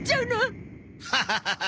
ハハハハ！